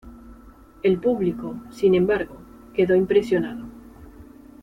El público, sin embargo, quedó impresionado.